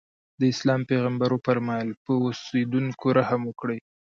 د اسلام پیغمبر وفرمایل په اوسېدونکو رحم وکړئ.